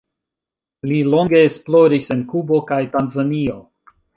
Li longe esploris en Kubo kaj Tanzanio.